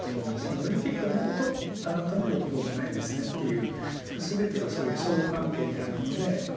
オリンピックがないとあなたの欲望もないですねっていうすべてがそういう相互関係にあるので。